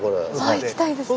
行きたいですね。